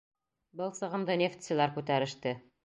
Был сығымды нефтселәр күтәреште.